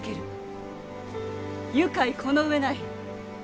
愉快この上ない！